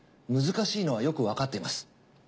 難しいのはよくわかっています。